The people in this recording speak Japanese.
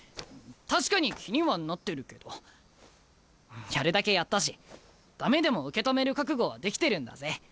確かに気にはなってるけどやるだけやったし駄目でも受け止める覚悟はできてるんだぜ。